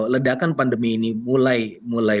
ledakan pandemi ini mulai